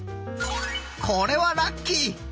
これはラッキー！